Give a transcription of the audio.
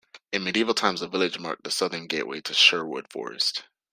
In medieval times the village marked the southern gateway to Sherwood Forest.